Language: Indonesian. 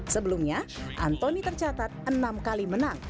sebelumnya anthony tercatat enam kali menang